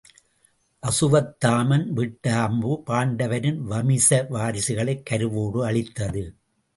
அசுவத்தாமன் விட்ட அம்பு பாண்டவரின் வமிச வாரிசுகளைக் கருவோடு அழித்தது.